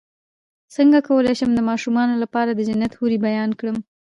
څنګه کولی شم د ماشومانو لپاره د جنت حورې بیان کړم